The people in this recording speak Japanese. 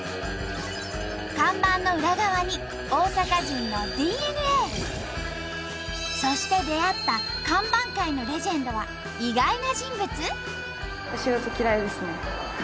看板の裏側にそして出会った看板界のレジェンドは意外な人物？